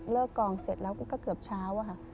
กองเสร็จแล้วก็เกือบเช้าอะค่ะ